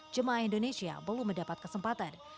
jemaah indonesia belum mendapat kesempatan